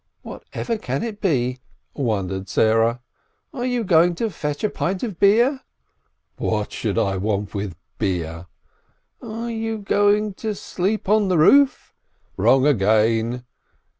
"Whatever can it be!" wondered Sarah. "Are you going to fetch a pint of beer?" "What should I want with beer ?" "Are you going to sleep on the roof?" "Wrong again